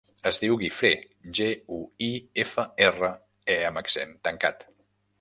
Es diu Guifré: ge, u, i, efa, erra, e amb accent tancat.